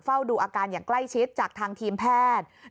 เฝ้าดูอาการอย่างใกล้ชิดจากทางทีมแพทย์